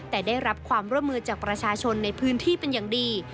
แต่ได้รับความร่วมมือจากประชาชนในพื้นที่เป็นอย่างดี